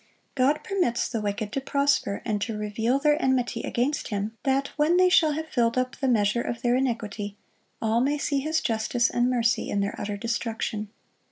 God permits the wicked to prosper, and to reveal their enmity against Him, that when they shall have filled up the measure of their iniquity, all may see His justice and mercy in their utter destruction.